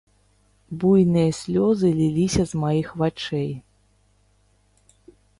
Буйныя слёзы ліліся з маіх вачэй.